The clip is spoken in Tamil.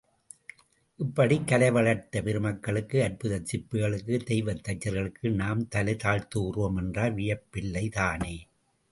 இப்படிக் கலை வளர்த்த பெருமக்களுக்கு, அற்புதச் சிற்பிகளுக்கு, தெய்வத் தச்சர்களுக்கு நாம் தலை தாழ்த்துகிறோம் என்றால் வியப்பில்லைதானே!